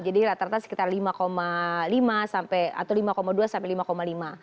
jadi rata rata sekitar lima lima sampai atau lima dua sampai lima lima